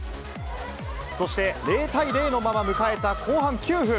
そして、０対０のまま迎えた後半９分。